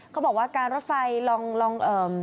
เขาบอกว่าการรถไฟลอง